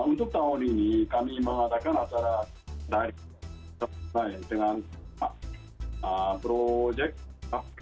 untuk tahun ini kami mengadakan acara dari dan offline dengan proyek kkm empat